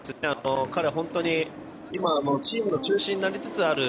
彼、本当に今はチームの中心になりつつある。